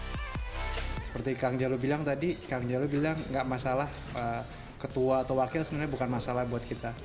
seperti kang jalo bilang tadi kang jalo bilang gak masalah ketua atau wakil sebenarnya bukan masalah buat kita